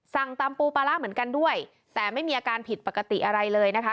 สั่งตำปูปลาร้าเหมือนกันด้วยแต่ไม่มีอาการผิดปกติอะไรเลยนะคะ